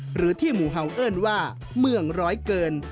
หรือที่หมู่เฮาวเอิ้นว่าเมืองร้อยเกิน